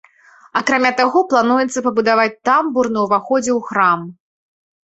Акрамя таго, плануецца пабудаваць тамбур на ўваходзе ў храм.